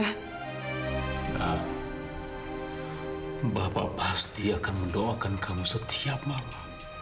bapak pasti akan mendoakan kamu setiap malam